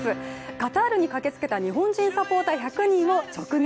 カタールに駆けつけた日本人サポーター１００人を直撃。